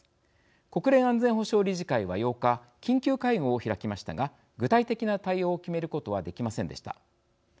国連安全保障理事会は８日、緊急会合を開きましたが具体的な対応を決めることはできませんでした。